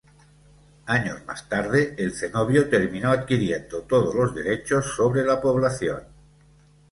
Años más tarde, el cenobio terminó adquiriendo todos los derechos sobre la población.